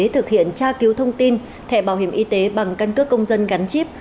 thực hiện tra cứu thông tin thẻ bảo hiểm y tế bằng căn cước công dân gắn chip